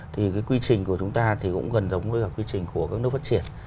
thì quy trình của chúng ta cũng gần giống với quy trình của các nước phát triển